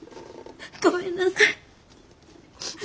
ごめんなさい！